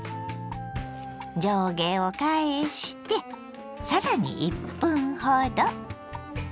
上下を返してさらに１分ほど。